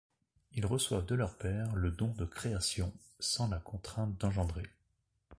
Ils reçoivent de leur père le don de création, sans la contrainte d'engendrer.